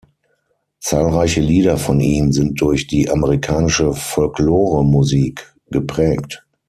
Zahlreiche Lieder von ihm sind durch die amerikanische Folkloremusik geprägt.